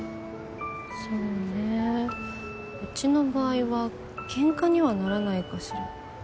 そうねうちの場合はケンカにはならないかしら。